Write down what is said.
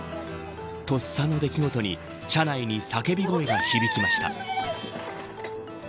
とっさの出来事に車内に叫び声が響きました。